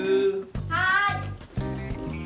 はい。